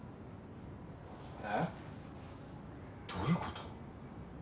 えっ？どういうこと？